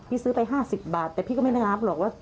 ซื้อไป๕๐บาทแต่พี่ก็ไม่ได้รับหรอกว่า